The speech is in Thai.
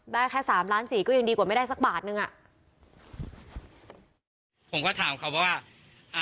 แค่สามล้านสี่ก็ยังดีกว่าไม่ได้สักบาทนึงอ่ะผมก็ถามเขาว่าอ่า